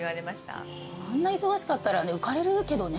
あんな忙しかったらね浮かれるけどね。